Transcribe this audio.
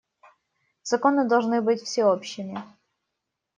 Законы должны быть всеобщими.